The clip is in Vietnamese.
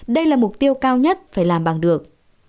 đây là mục tiêu cao nhất phải làm bằng được